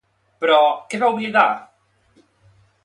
Però, què va oblidar?